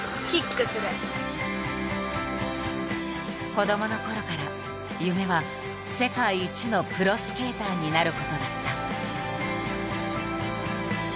子どものころから夢は世界一のプロスケーターになることだった。